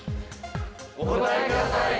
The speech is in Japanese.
お答えください